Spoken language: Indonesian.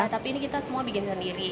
tapi ini kita semua bikin sendiri